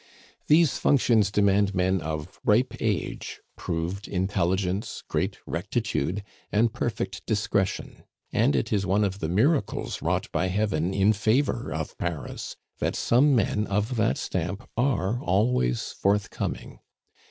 These functions demand men of ripe age, proved intelligence, great rectitude, and perfect discretion; and it is one of the miracles wrought by Heaven in favor of Paris, that some men of that stamp are always forthcoming.